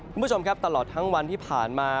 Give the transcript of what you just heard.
คุณผู้ชมครับตลอดทั้งวันที่ผ่านมา